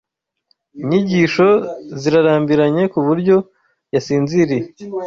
Inyigisho zirarambiranye kuburyo yasinziriye.